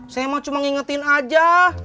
saya mau cuma ngingetin aja